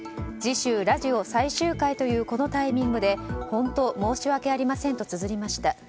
次週ラジオ最終回というこのタイミングでほんと申し訳ありませんと綴りました。